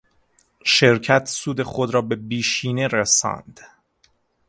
شرکت سود خود را به بیشینه رساند.